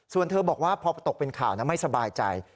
ส่วนเธอบอกว่าพอตกเป็นข่าวนะไม่สบายใจ